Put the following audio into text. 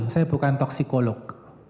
saya bukan toksikolog